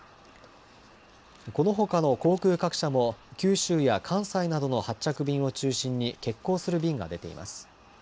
このほかの航空各社も九州や関西などの発着便を中心に欠航する便が出ています。